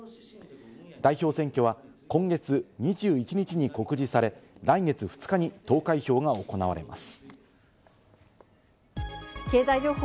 代表選挙は今月２１日に告示され、来月２日に投開票が行われます。